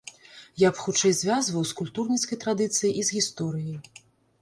Я б хутчэй звязваў з культурніцкай традыцыяй і з гісторыяй.